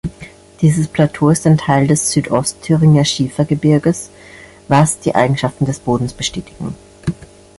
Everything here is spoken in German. Dieses Plateau ist ein Teil des Südostthüringer Schiefergebirges, was die Eigenschaften des Bodens bestätigen.